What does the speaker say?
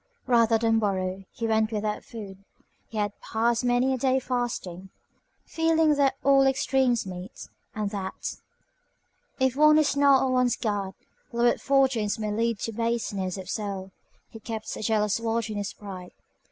Rather than borrow, he went without food. He had passed many a day fasting. Feeling that all extremes meet, and that, if one is not on one's guard, lowered fortunes may lead to baseness of soul, he kept a jealous watch on his pride.